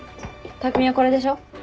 匠はこれでしょ。